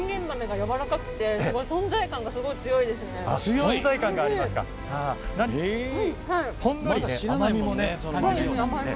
いんげん豆がやわらかくて存在感がすごい強いですよね。